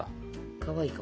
かわいいかも。